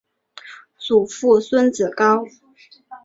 祖父孙子高。